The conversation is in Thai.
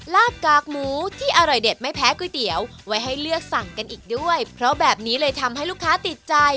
ลากกากหมูที่อร่อยเด็ดไม่แพ้ก๋วยเตี๋ยวไว้ให้เลือกสั่งกันอีกด้วยเพราะแบบนี้เลยทำให้ลูกค้าติดใจ